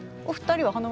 お二人は？